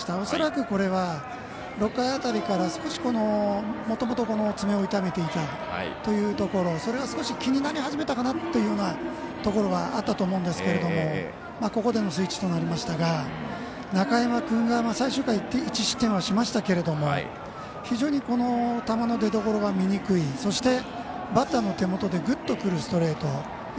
恐らく、これは６回辺りからもともと爪を痛めていたというところそれが少し気になり始めたかなというところがあったと思うんですけどここでのスイッチとなりましたが中山君が最終回１失点はしましたけれども非常に、球の出どころが見にくいそして、バッターの手元でぐっとくるストレート。